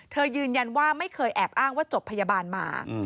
ยืนยันว่าไม่เคยแอบอ้างว่าจบพยาบาลมา